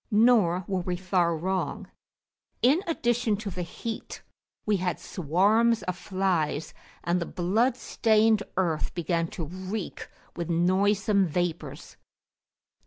Nor were we far wrong. In addition to the heat, we had swarms of flies, and the blood stained earth began to reek with noisome vapours.